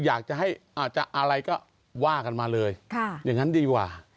อยากจะให้อาจจะอะไรก็ว่ากันมาเลยอย่างนั้นดีกว่า